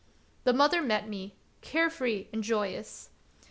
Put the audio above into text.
The mother met me, care free and joyous.